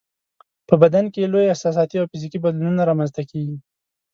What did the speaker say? په بدن کې یې لوی احساساتي او فزیکي بدلونونه رامنځته کیږي.